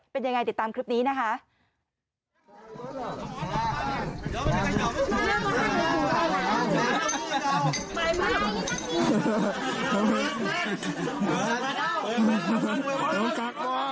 เป็นยังไงติดตามคลิปนี้นะคะ